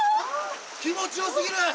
気持ちよすぎる！